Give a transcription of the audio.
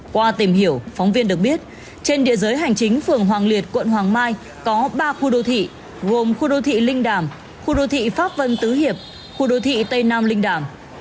qua tìm hiểu phóng viên được biết trên địa giới hành chính phường hoàng liệt quận hoàng mai có ba khu đô thị gồm khu đô thị linh đàm khu đô thị pháp vân tứ hiệp khu đô thị tây nam linh đàm